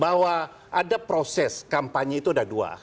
bahwa ada proses kampanye itu ada dua